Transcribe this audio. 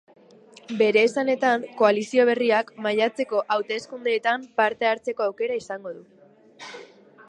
Bere esanetan, koalizio berriak maiatzeko hauteskundeetan parte hartzeko aukera izango du.